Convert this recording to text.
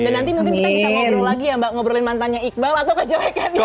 dan nanti mungkin kita bisa ngobrol lagi ya mbak ngobrolin mantannya iqbal atau kejelekannya iqbal